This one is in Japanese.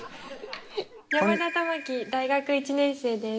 山田珠生大学１年生です。